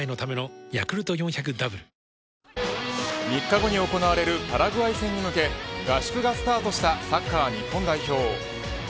３日後に行われるパラグアイ戦に向け合宿がスタートしたサッカー日本代表。